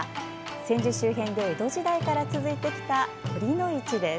千住周辺で江戸時代から続いてきた、酉の市です。